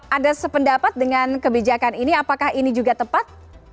ada sependapat dengan kebijakan ini apakah ini juga tepat